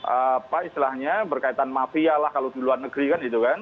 apa istilahnya berkaitan mafia lah kalau di luar negeri kan gitu kan